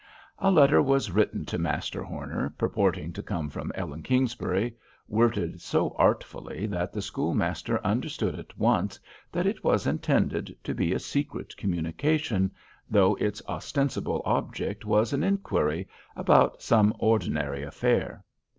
A letter was written to Master Horner, purporting to come from Ellen Kingsbury, worded so artfully that the schoolmaster understood at once that it was intended to be a secret communication, though its ostensible object was an inquiry about some ordinary affair.